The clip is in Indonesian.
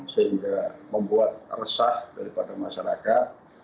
sehingga membuat resah daripada masyarakat